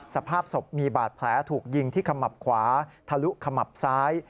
สภาพศพมีบาดแผลถูกยิงที่ขมับขวาทะลุขมับซ้าย